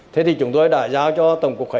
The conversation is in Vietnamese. thế thì chúng tôi đã giao cho tổng cục hải